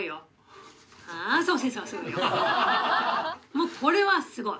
もうこれはすごい！